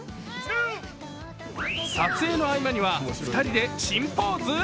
撮影の合間には２人で新ポーズ？